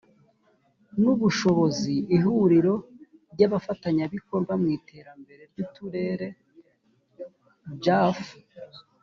n ubushobozi ihuriro ry abafatanyabikorwa mu iterambere ry uturere jadf